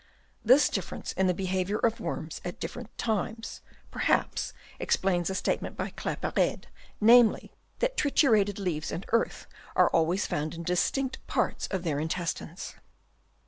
This difference in the behaviour of worms at different times, perhaps explains a statement by Claparede, namely, that triturated leaves and earth are always found in distinct parts of their intestines.